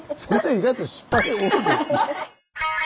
意外と失敗多いですね。